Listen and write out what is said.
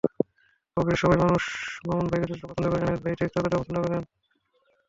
অফিসের সবাই মামুন ভাইকে যতটা পছন্দ করেন এনায়েত ভাই ঠিক ততটাই অপছন্দ করেন।